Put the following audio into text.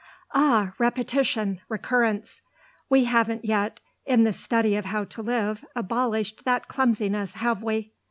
"Ah repetition recurrence: we haven't yet, in the study of how to live, abolished that clumsiness, have we?"